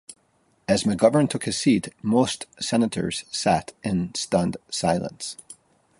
As McGovern took his seat, most senators sat in stunned silence.